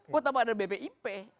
buat apa ada bpip